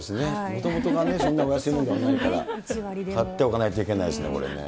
もともとがね、そんなお安いものではないから、買っておかないといけないですね、これね。